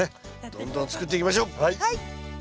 どんどん作っていきましょう！